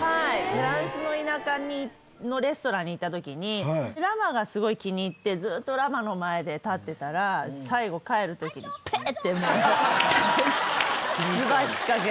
フランスの田舎のレストランに行った時にラマがすごい気に入ってずっとラマの前で立ってたら最後帰る時にペッ！って。